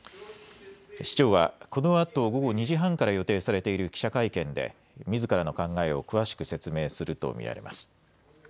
市長はこのあと午後２時半から予定されている記者会見でみずからの考えを詳しく説明すると見られます。